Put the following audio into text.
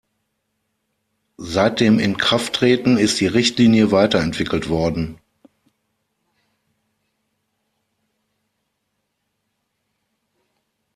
Seit dem Inkrafttreten ist die Richtlinie weiterentwickelt worden.